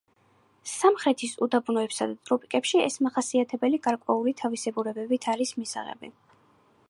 სამხრეთის უდაბნოებსა და ტროპიკებში ეს მახასიათებელი გარკვეული თავისებურებებით არის მისაღები.